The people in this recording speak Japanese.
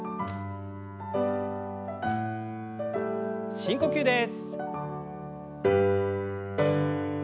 深呼吸です。